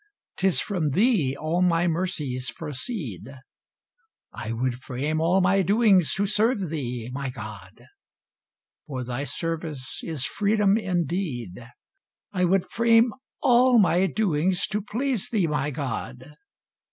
'Tis from thee all my mercies proceed; I would frame all my doings to serve thee, my God! For thy service is freedom indeed. I would frame all my doings to please thee, my God!